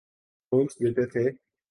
ﭨﮭﻮﻧﺲ ﺩﯾﺘﮯ ﺗﮭﮯ